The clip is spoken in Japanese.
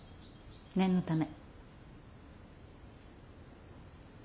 念のため。